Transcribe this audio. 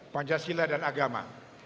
pancasila dan agama